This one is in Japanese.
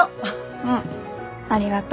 うんありがとう。